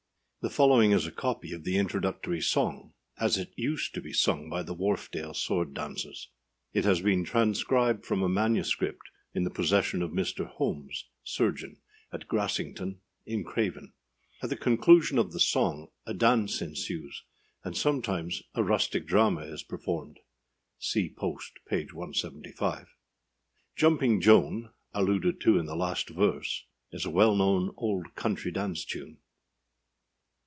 The following is a copy of the introductory song, as it used to be sung by the Wharfdale sword dancers. It has been transcribed from a MS. in the possession of Mr. Holmes, surgeon, at Grassington, in Craven. At the conclusion of the song a dance ensues, and sometimes a rustic drama is performed. See post, p. 175. Jumping Joan, alluded to in the last verse, is a well known old country dance tune.